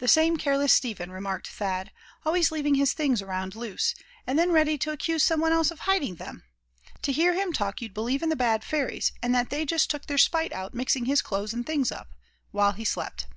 "The same careless Step hen," remarked Thad; "always leaving his things around loose, and then ready to accuse some one else of hiding them. To hear him talk you'd believe in the bad fairies, and that they just took their spite out mixing his clothes and things up, while he slept.